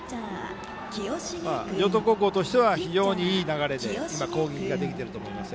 城東高校としては非常にいい流れで攻撃ができていると思います。